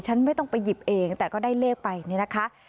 ไม่ต้องไปหยิบเองแต่ก็ได้เลขไปเนี่ยนะคะ